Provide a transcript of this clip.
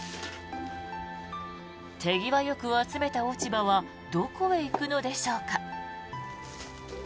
手際よく集めた落ち葉はどこへ行くのでしょうか。